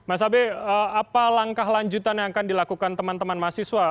apa langkah lanjutan yang akan dilakukan teman teman mahasiswa